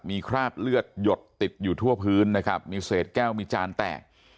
มีคราบเลือดหยดติดอยู่ทั่วพื้นนะครับมีเศษแก้วมีจานแตก